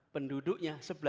penduduknya sebelas juta